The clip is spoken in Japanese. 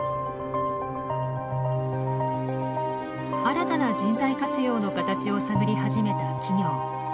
新たな人材活用の形を探り始めた企業。